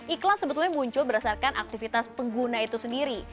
iklan sebetulnya muncul berdasarkan aktivitas pengguna itu sendiri